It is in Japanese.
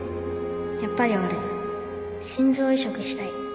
やっぱり俺心臓移植したい